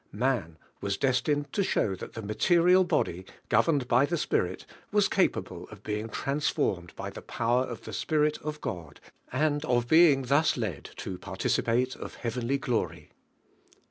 Man was destined to show that the material body, governed by the spirit, was capable of being trans formed by the power of the Spirit of God, and of being thu© led to participate of heavenly glory.